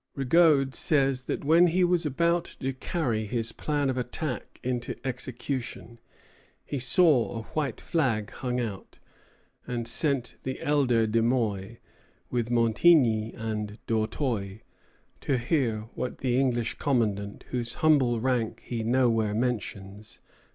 Rigaud says that when he was about to carry his plan of attack into execution, he saw a white flag hung out, and sent the elder De Muy, with Montigny and D'Auteuil, to hear what the English commandant whose humble rank he nowhere mentions had to say.